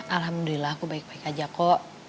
alhamdulillah aku baik baik aja kok